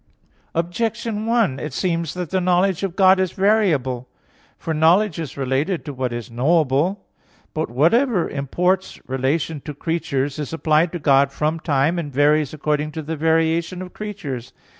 Objection 1: It seems that the knowledge of God is variable. For knowledge is related to what is knowable. But whatever imports relation to the creature is applied to God from time, and varies according to the variation of creatures.